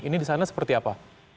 ini di sana seperti apa